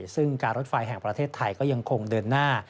ซึ่งการรถไฟแห่งประเทศไทยก็ยังคงเดินหน้า